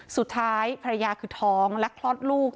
สุดท้ายภรรยาคือท้องและคลอดลูก